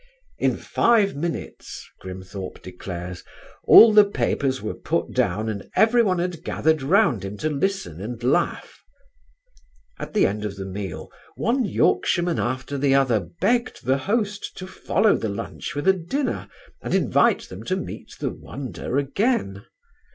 "In five minutes," Grimthorpe declares, "all the papers were put down and everyone had gathered round him to listen and laugh." At the end of the meal one Yorkshireman after the other begged the host to follow the lunch with a dinner and invite them to meet the wonder again.